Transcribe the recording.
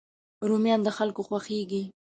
رومیان د خلکو خوښېږي